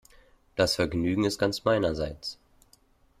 Das Vergnügen ist ganz meinerseits.